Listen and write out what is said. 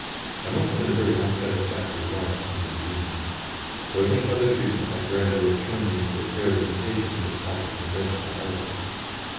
I must have been a very unsatisfactory wife from the beginning, though I think other treatment might gradually have turned me into a fair imitation of the proper conventional article.